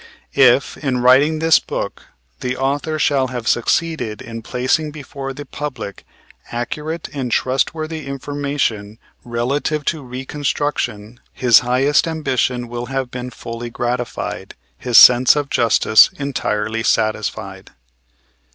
If, in writing this book, the author shall have succeeded in placing before the public accurate and trustworthy information relative to Reconstruction, his highest ambition will have been fully gratified, his sense of justice entirely satisfied.